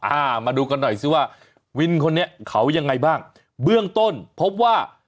อ่ามาดูกันหน่อยสิว่าวินคนนี้เขายังไงบ้างเบื้องต้นพบว่า